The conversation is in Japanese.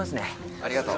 ありがとう。